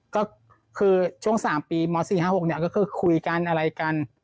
ก็คือช่วง๓ปีม๔๕๖เนี่ยก็คือคุยกันอะไรกัน